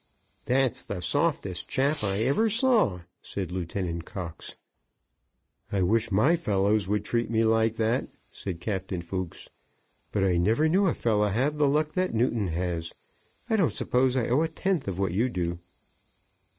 "That's the softest chap I ever saw," said Lieutenant Cox. "I wish my fellows would treat me like that," said Captain Fooks. "But I never knew a fellow have the luck that Newton has. I don't suppose I owe a tenth of what you do."